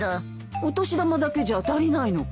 お年玉だけじゃ足りないのかい？